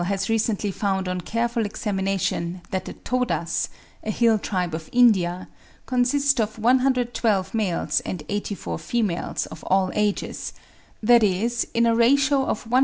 has recently found on careful examination that the Todas, a hill tribe of India, consist of 112 males and 84 females of all ages—that is in a ratio of 133.